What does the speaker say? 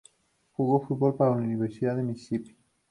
Jugó fútbol para la Universidad de Mississippi.